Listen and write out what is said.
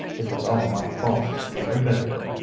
It was all my fault, every bit of it.